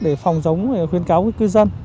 để phòng giống khuyên cáo với cư dân